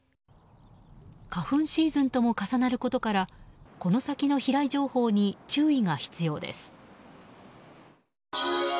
花粉シーズンとも重なることからこの先の飛来情報に注意が必要です。